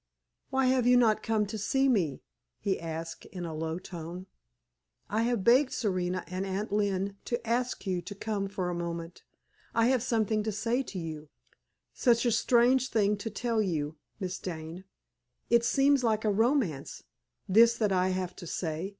"Why have you not come to see me?" he asked in a low tone. "I have begged Serena and Aunt Lynne to ask you to come for a moment. I have something to say to you such a strange thing to tell you, Miss Dane; it seems like a romance, this that I have to say.